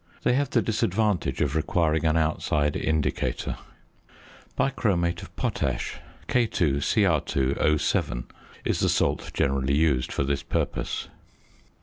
They have the disadvantage of requiring an outside indicator. Bichromate of potash (K_Cr_O_) is the salt generally used for this purpose.